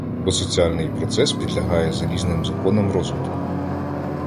Бо соціальний процес підлягає залізним законам розвитку.